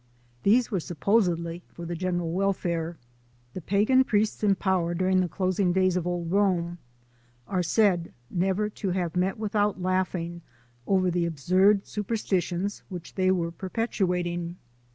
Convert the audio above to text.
These were sup posedly for the general welfare. The pagan priests in power during the closing days of old Rome are said never to have met without laughing over the absurd superstitions which they were per petuating.